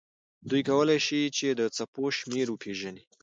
دوی کولی شي چې د څپو شمېر وپیژني.